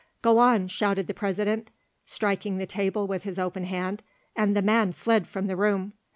"Go on," shouted the President, striking the table with his open hand, and the man fled from the room.